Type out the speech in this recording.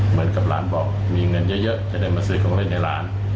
เหมือนกับหลานบอกมีเงินเยอะจะได้มาซื้อของเล่นในร้าน